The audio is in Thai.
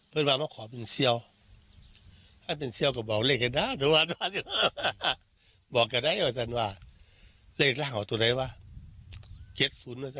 ทุกคนมามาขอเป็นเสี่ยวถ้าเป็นเสี่ยวก็บอกเลือกแก่ด้านมึงวาดวาดวาด